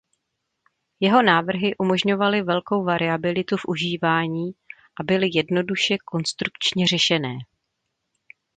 Jeho návrhy umožňovaly velkou variabilitu v užívání a byly jednoduše konstrukčně řešené.